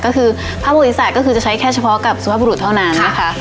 ก็คือพระบริษัทก็คือจะใช้แค่เฉพาะกับสุภาพบุรุษเท่านั้นนะคะ